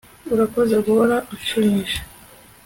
urakoze guhora unshimisha